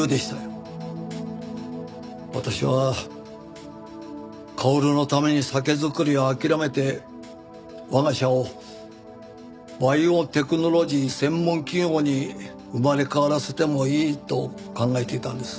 私は薫のために酒造りを諦めて我が社をバイオテクノロジー専門企業に生まれ変わらせてもいいと考えていたんです。